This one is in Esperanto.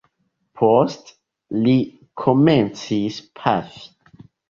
Poste li komencis pafi.